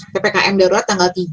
ppkm darurat tanggal tiga